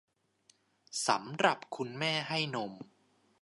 สำหรับคุณแม่ให้นม